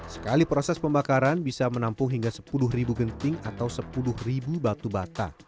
sekali proses pembakaran bisa menampung hingga sepuluh genting atau sepuluh batu bata